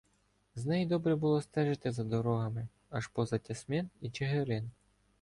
З неї добре було стежити за дорогами аж поза Тясмин і Чигирин.